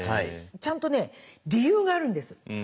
ちゃんとね理由があるんです。